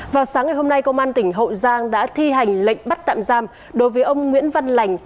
vào sáng ngày hôm nay công an tỉnh hậu giang đã thi hành lệnh bắt tạm giam đối với ông nguyễn văn lành